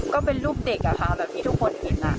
ก็เป็นรูปเด็กอะค่ะแบบที่ทุกคนเห็น